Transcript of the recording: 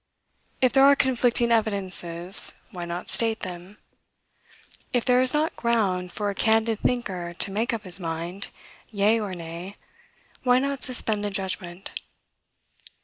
If there are conflicting evidences, why not state them? If there is not ground for a candid thinker to make up his mind, yea or nay, why not suspend the judgment?